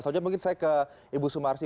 selanjutnya mungkin saya ke ibu sumarsi